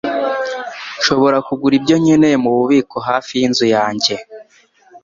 Nshobora kugura ibyo nkeneye mububiko hafi yinzu yanjye.